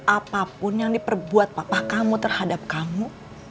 apapun yang diperbuat papa kamu terhadap kamu